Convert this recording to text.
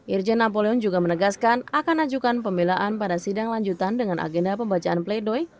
irjen napoleon juga menegaskan akan ajukan pembelaan pada sidang lanjutan dengan agenda pembacaan pledoi